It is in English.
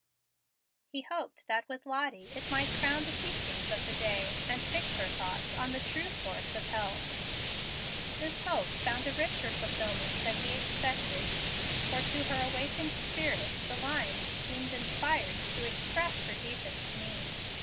He hoped that with Lottie it might crown the teachings of the day, and fix her thoughts on the true source of help. This hope found a richer fulfilment than he expected, for to her awakened spirit the lines seemed inspired to express her deepest need.